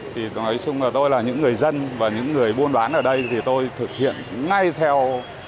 thì nói chung là tôi là những người dân và những người buôn bán ở đây thì tôi thực hiện ngay theo